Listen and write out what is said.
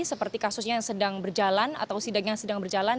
seperti kasusnya yang sedang berjalan atau sidang yang sedang berjalan